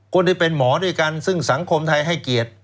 คนที่เป็นหมอด้วยกันซึ่งสังคมไทยให้เกียรติ